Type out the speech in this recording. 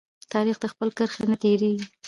تاریخ د خپل کرښې نه تیریږي.